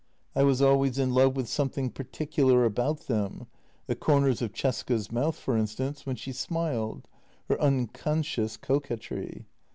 I was always in love with something particular about them — the corners of Cesca's mouth, for instance, when she smiled; her unconscious coquetry.